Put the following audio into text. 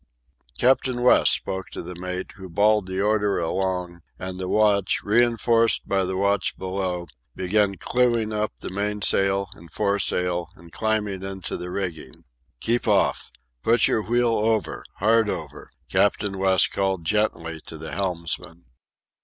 Captain West spoke to the mate, who bawled the order along, and the watch, reinforced by the watch below, began clewing up the mainsail and foresail and climbing into the rigging. "Keep off! Put your wheel over! Hard over!" Captain West called gently to the helmsman.